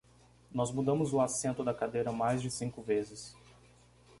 Nós mudamos o assento da cadeira mais de cinco vezes.